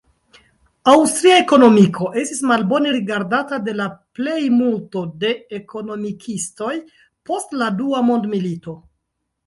Aŭstria ekonomiko estis malbone rigardata de la plejmulto da ekonomikistoj post la Dua mondmilito.